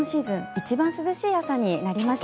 一番涼しい朝になりました。